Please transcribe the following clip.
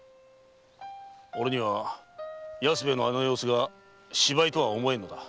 俺には安兵衛のあの様子が芝居とは思えんのだ。